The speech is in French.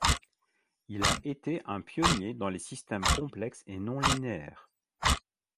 Il a été un pionnier dans les systèmes complexes et non linéaires.